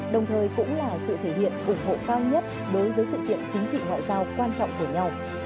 đồng thời cũng là sự thể hiện ủng hộ cao nhất đối với sự kiện chính trị ngoại giao quan trọng của nhau